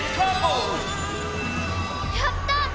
やった！